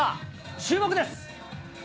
注目です。